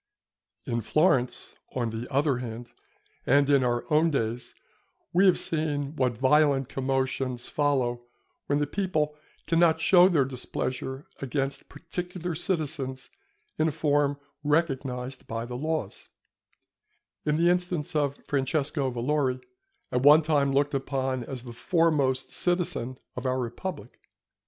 In Florence, on the other hand, and in our own days, we have seen what violent commotions follow when the people cannot show their displeasure against particular citizens in a form recognized by the laws, in the instance of Francesco Valori, at one time looked upon as the foremost citizen of our republic.